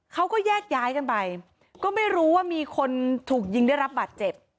เขาก็แยกย้ายกันไปก็ไม่รู้ว่ามีคนถูกยิงได้รับบาดเจ็บ